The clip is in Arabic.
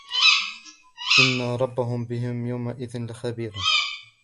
إِنَّ رَبَّهُمْ بِهِمْ يَوْمَئِذٍ لَخَبِيرٌ